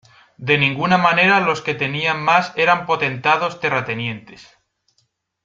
De ninguna manera los que tenían más eran potentados terratenientes.